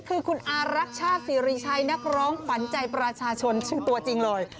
คือคุณอารักชาติศิริชัยนักร้องขวัญใจประชาชนชื่อตัวจริงเลย